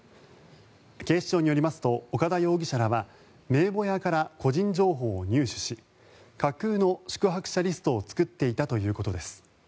警視庁によりますと岡田容疑者らは名簿屋から個人情報を入手し架空の宿泊者リストを作っていたということです。